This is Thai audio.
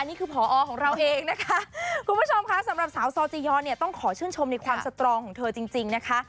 นั่นมากับคุณพ่อหรือเปล่าคะ